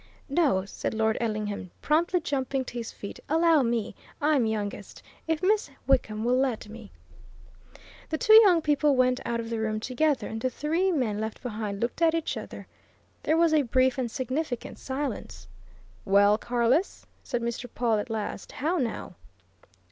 "No," said Lord Ellingham, promptly jumping to his feet. "Allow me I'm youngest. If Miss Wickham will let me " The two young people went out of the room together, and the three men left behind looked at each other. There was a brief and significant silence. "Well, Carless?" said Mr. Pawle at last. "How now?"